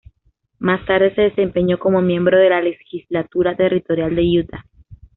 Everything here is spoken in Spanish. Más tarde se desempeñó como miembro de la legislatura territorial de Utah.